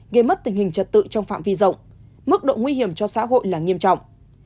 gây mất tình hình trật tự trong phạm vi rộng mức độ nguy hiểm cho xã hội là nghiêm trọng